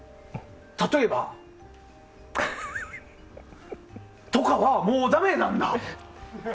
例えばとかはもうだめなんだ。